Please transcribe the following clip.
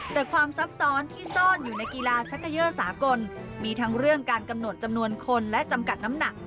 แต่ความซับซ้อนที่ซ่อนอยู่ในกีฬาชักเกยอร์สากลมีทั้งเรื่องการกำหนดจำนวนคนและจำกัดน้ำหนัก